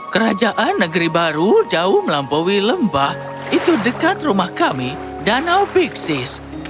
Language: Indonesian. kerajaan negeri baru jauh melampaui lembah itu dekat rumah kami danau bixis